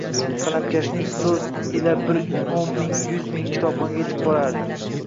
Qalamkashning So’zi bir yo’la o’n ming, yuz ming kitobxonga yetib boradi.